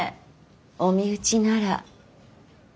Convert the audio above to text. お身内なら。